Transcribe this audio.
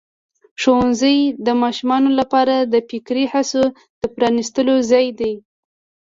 ښوونځی د ماشومانو لپاره د فکري هڅو د پرانستلو ځای دی.